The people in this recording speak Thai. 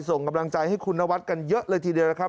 ส่งกำลังใจให้คุณนวัดกันเยอะเลยทีเดียวนะครับ